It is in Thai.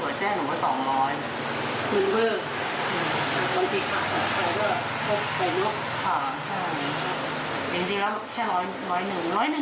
ค่ะใช่ครับจริงจริงแล้วแค่ร้อยหนึ่ง